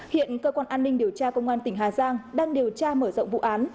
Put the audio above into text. hiện cơ quan an ninh điều tra công an tỉnh hà giang đang điều tra mở rộng vụ án